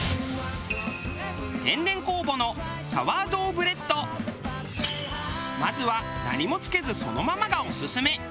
天然酵母のまずは何もつけずそのままがオススメ。